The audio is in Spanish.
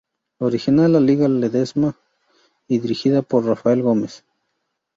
Original de Ligia Lezama y dirigida por Rafael Gómez.